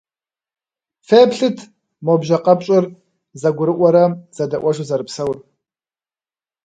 Феплъыт, мо бжьэ къэпщӏыр зэгурыӏуэрэ зэдэӏуэжу зэрыпсэур.